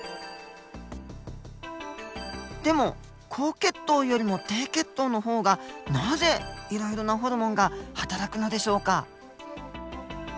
でも高血糖よりも低血糖の方がなぜいろいろなホルモンがはたらくのでしょうか？